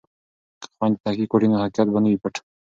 که خویندې تحقیق وکړي نو حقیقت به نه وي پټ.